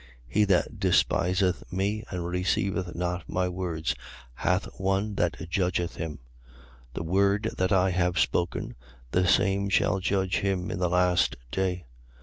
12:48. He that despiseth me and receiveth not my words hath one that judgeth him. The word that I have spoken, the same shall judge him in the last day.